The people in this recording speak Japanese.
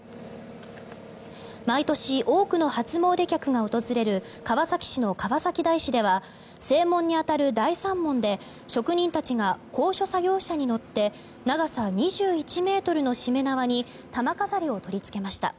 毎年、多くの初詣客が訪れる川崎市の川崎大師では正門に当たる大山門で職人たちが高所作業車に乗って長さ２１ｍのしめ縄に玉飾りを取りつけました。